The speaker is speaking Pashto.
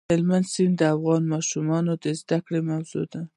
هلمند سیند د افغان ماشومانو د زده کړې موضوع ده.